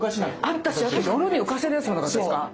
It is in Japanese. あったしお風呂に浮かせるやつもなかったですか？